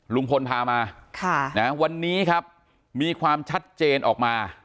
ลุงพลพามาวันนี้ครับมีความชัดเจนออกมา